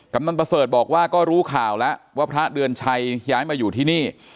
ำนันประเสริฐบอกว่าก็รู้ข่าวแล้วว่าพระเดือนชัยย้ายมาอยู่ที่นี่